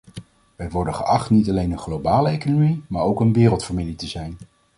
Wij worden geacht niet alleen een globale economie maar ook een wereldfamilie te zijn.